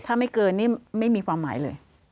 ถ้าไม่เกินนี่ไม่มีความหมายเลย